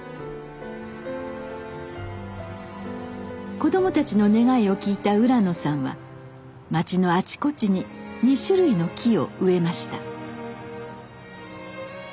子供たちの願いを聞いた浦野さんは町のあちこちに２種類の木を植えました。